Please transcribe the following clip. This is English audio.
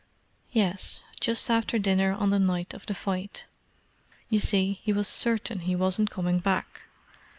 "Yes; just after dinner on the night of the fight. You see, he was certain he wasn't coming back.